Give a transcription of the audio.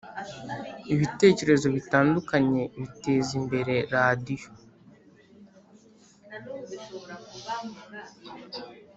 Ibitekerezo bitandukanye biteza imbere radiyo